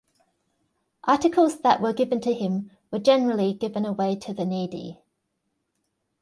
Articles that were given to him were generally given away to the needy.